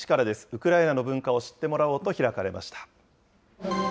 ウクライナの文化を知ってもらおうと開かれました。